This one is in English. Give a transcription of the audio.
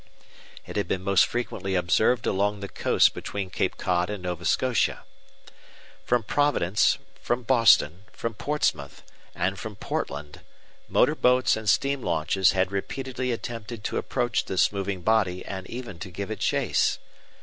It had been most frequently observed along the coast between Cape Cod and Nova Scotia. From Providence, from Boston, from Portsmouth, and from Portland motor boats and steam launches had repeatedly attempted to approach this moving body and even to give it chase.